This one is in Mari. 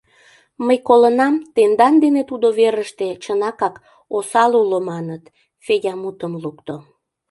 Мый колынам, тендан дене тудо верыште, чынакак, осал уло, маныт, — Федя мутым лукто.